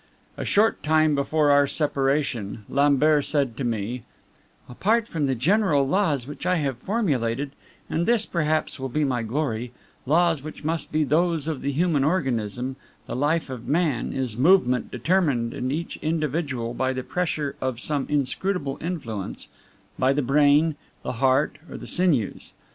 A short time before our separation, Lambert said to me: "Apart from the general laws which I have formulated and this, perhaps, will be my glory laws which must be those of the human organism, the life of man is Movement determined in each individual by the pressure of some inscrutable influence by the brain, the heart, or the sinews.